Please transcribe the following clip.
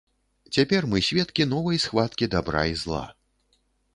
Цяпер мы сведкі новай схваткі дабра і зла.